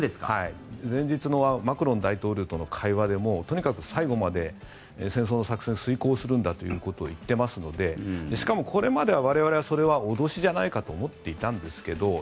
前日のマクロン大統領との会話でもとにかく最後まで戦争の作戦を遂行するんだということを言っていますのでしかも、これまでは我々はそれは脅しじゃないかと思っていたんですけど